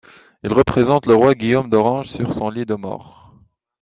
Il représente le roi Guillaume d'Orange sur son lit de mort.